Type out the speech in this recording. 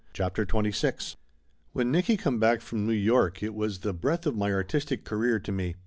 CHAPTER XXVI ^1 T 7HEN Nicky come back from New York it was the breath of my artistic career to me.